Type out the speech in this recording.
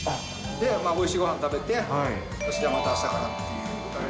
おいしいごはん食べて、そしてまたあしたからっていう気持ちに。